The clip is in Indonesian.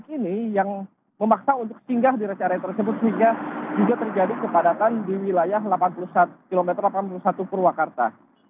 maksudnya mereka juga memiliki kemampuan untuk tinggal di rest area tersebut sehingga juga terjadi kepadatan di wilayah kilometer delapan puluh satu purwakarta